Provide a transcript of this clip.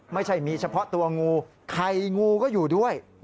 ไม่ใช่มีเฉพาะตัวงูไข่งูก็อยู่ด้วย